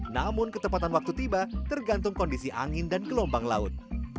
namun ketepatan waktu tiba tergantung kondisi angin dan gelombang laut